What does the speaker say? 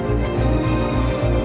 kita bisa berdua kita bisa berdua